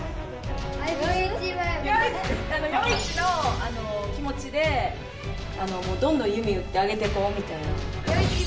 与一の気持ちでどんどん弓うってアゲてこうみたいな。